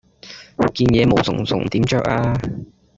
件嘢毛鬠鬠點著呀